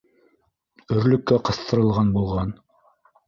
Өрлөккә ҡыҫтырылған булған.